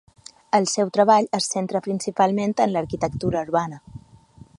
El seu treball se centra principalment en l'arquitectura urbana.